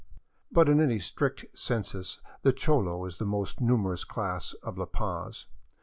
But in any strict census the cholo is the most numerous class of La Paz.